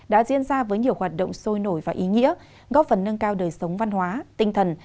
đã diễn ra với nhiều hoạt động sôi nổi và ý nghĩa góp phần nâng cao đời sống văn hóa tinh thần